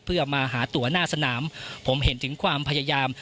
เพื่อมาหาตัวหน้าสนามผมเห็นถึงความพยายาม